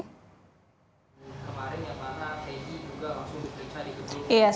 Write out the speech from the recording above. kemarin yang mana peggy juga langsung diperiksa